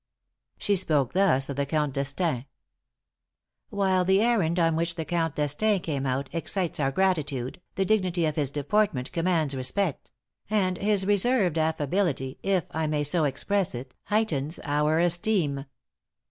She speaks thus of the Count D'Estaing: "While the errand on which the Count D'Estaing came out excites our gratitude, the dignity of his deportment commands respect; and his reserved affability, if I may so express it, heightens our esteem."